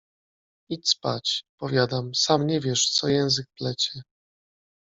Idź spać, powiadam, sam nie wiesz, co język plecie.